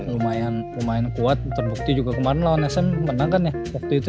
lumayan kuat terbukti juga kemarin lawan sm menang kan ya waktu itu